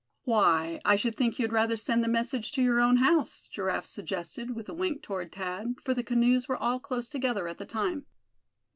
"Why, I should think you'd rather send the message to your own house?" Giraffe suggested, with a wink toward Thad, for the canoes were all close together at the time.